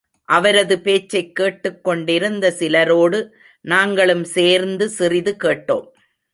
அவரது பேச்சைக் கேட்டுக் கொண்டிருந்த சிலரோடு நாங்களும் சேர்ந்து சிறிது கேட்டோம்.